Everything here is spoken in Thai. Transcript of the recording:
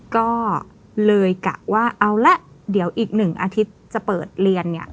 ก็เลยกะว่าเอาละเดี๋ยวอีก๑อาทิตย์จะเปิดเรียนเนี่ย